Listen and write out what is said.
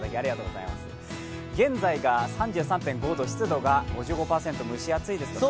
現在、今が３３．５度湿度が５５％、蒸し暑いですね。